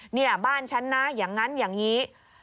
เนี่ยบ้านฉันนะอย่างนั้นอย่างนี้